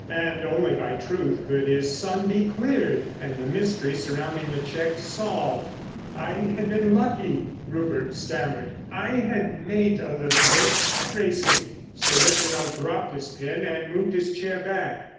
And only by truth could his son be cleared and the mystery surrounding the cheque solved. "I had been lucky," Rupert stammered. "I had made a little bit—at racing." Sir Reginald dropped his pen and moved his chair back.